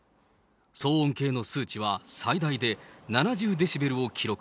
騒音計の数値は最大で７０デシベルを記録。